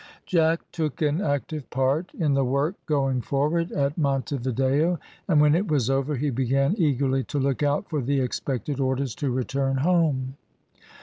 Jack took an active part in the work going forward at Monte Video, and when it was over he began eagerly to look out for the expected orders to return home.